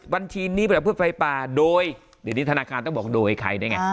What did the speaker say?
วันทีนี้แปลว่าเพื่อไฟล์ปลาโดยเดี๋ยวนี้ธนาคารต้องบอกโดยใครได้ไง